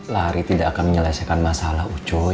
lari tidak akan menyelesaikan masalah uco